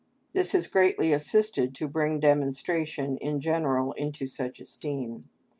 This has greatly assisted to bring demonstration in general into such esteem.